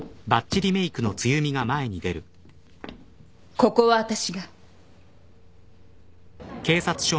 ここは私が。